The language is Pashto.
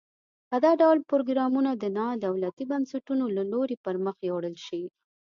که دا ډول پروګرامونه د نا دولتي بنسټونو له لوري پرمخ یوړل شي.